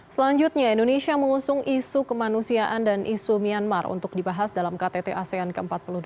selanjutnya indonesia mengusung isu kemanusiaan dan isu myanmar untuk dibahas dalam ktt asean ke empat puluh delapan